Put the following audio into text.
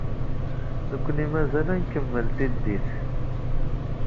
Nekkni mazal ad nkemmel tiddit.